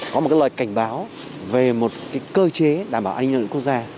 có một lời cảnh báo về một cơ chế đảm bảo an ninh đồng đội quốc gia